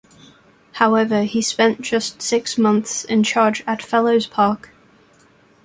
However he spent just six months in charge at Fellows Park.